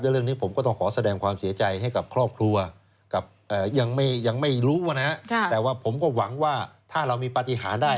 เรื่องนี้ผมก็ต้องขอแสดงความเสียใจให้กับครอบครัวกับยังไม่รู้นะแต่ว่าผมก็หวังว่าถ้าเรามีปฏิหารได้